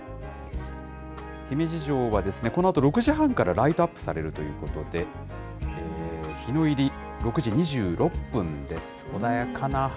姫路城はこのあと６時半からライトアップされるということで、日の入り、６時２６分です。